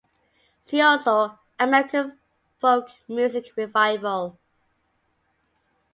See also: American folk music revival.